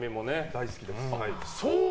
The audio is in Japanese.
大好きです。